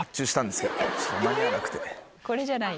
これじゃない。